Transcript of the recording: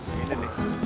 ya udah deh